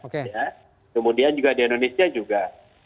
kemudian juga di indonesia juga